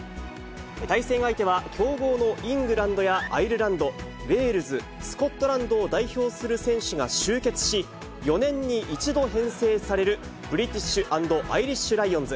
対戦相手は、強豪のイングランドやアイルランド、ウェールズ、スコットランドを代表する選手が集結し、４年に１度編成される、ブリティッシュ＆アイリッシュ・ライオンズ。